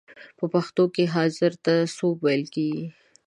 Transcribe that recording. په پښتو کې حاضر ته سوب ویل کیږی.